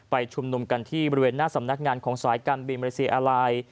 ชุมนุมกันที่บริเวณหน้าสำนักงานของสายการบินมาเลเซียอาลัย